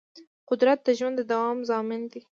قدرت د ژوند د دوام ضامن دی.